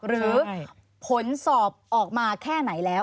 หรือผลสอบออกมาแค่ไหนแล้ว